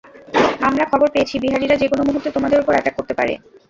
আমরা খবর পেয়েছি, বিহারিরা যেকোনো মুহূর্তে তোমাদের ওপর অ্যাটাক করতে পারে।